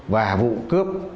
và vụ cướp